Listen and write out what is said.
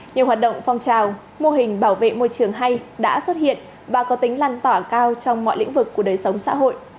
nhiều hoạt động phong trào mô hình bảo vệ môi trường hay đã xuất hiện và có tính lan tỏa cao trong mọi lĩnh vực của đời sống xã hội